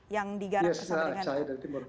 yang digarangkan sama dengan